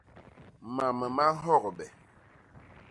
Mam ma nhogbe.